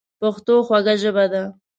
پښتو خوږه ژبه ده.